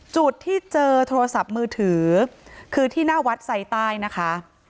จุดที่เจอโทรศัพท์มือถือคือที่หน้าวัดไซใต้นะคะ